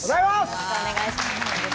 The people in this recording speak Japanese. よろしくお願いします。